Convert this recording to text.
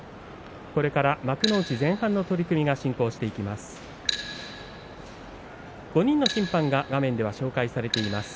これから幕内前半の取組が進行していきます。